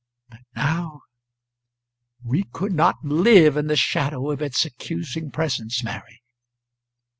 But now We could not live in the shadow of its accusing presence, Mary."